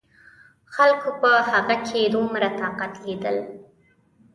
خلکو په هغه کې دومره طاقت لیدل.